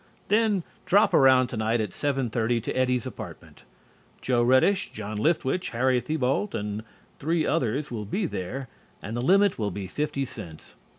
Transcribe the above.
Then drop around tonight at seven thirty to Eddie's apartment. Joe Reddish, John Liftwich, Harry Thibault and three others will be there and the limit will be fifty cents.